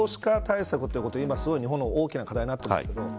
でも、少子化対策ということは今、日本の大きな課題になってますけど。